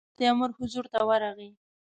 هغه د تیمور حضور ته ورغی.